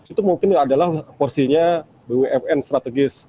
itu mungkin adalah porsinya bumn strategis